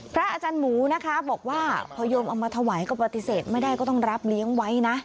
พระอาจารย์หมูนะคะบอกว่าพอโยมเอามาถวายก็ปฏิเสธไม่ได้ก็ต้องรับเลี้ยงไว้นะ